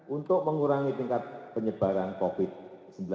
untuk mengurangi tingkat penyebaran covid sembilan belas